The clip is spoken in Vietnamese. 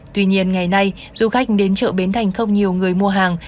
tuy nhiên ngày nay du khách đến chợ bến thành không nhiều người mua hàng